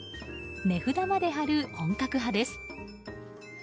値札まで貼る本格派です。